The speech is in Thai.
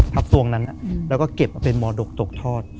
ทับสวงนั้นแล้วก็เก็บเป็นมอดกตกทอด